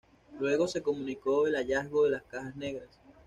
Luego se comunicó el hallazgo de las cajas negras.